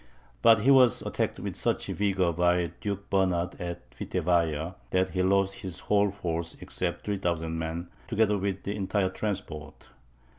But he was attacked with such vigour by Duke Bernard at Witteweyer, that he lost his whole force, except 3000 men, together with the entire transport.